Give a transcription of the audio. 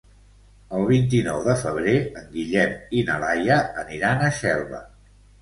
El vint-i-nou de febrer en Guillem i na Laia aniran a Xelva.